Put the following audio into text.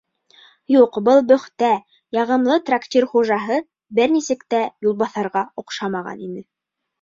Юҡ, был бөхтә, яғымлы трактир хужаһы бер нисек тә юлбаҫарға оҡшамаған ине.